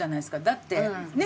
だってね。